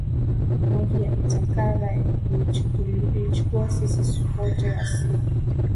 maji ya Itacara Ilichukua sisi wote wa siku